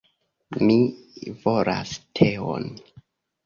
Mi volas teon!